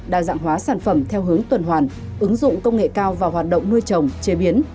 đa dạng hóa sản phẩm theo hướng tuần hoàn ứng dụng công nghệ cao vào hoạt động nuôi trồng chế biến